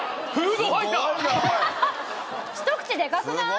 ひと口でかくない？